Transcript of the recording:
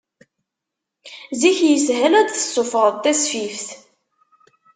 Zik yeshel ad d-tessufɣeḍ tasfift.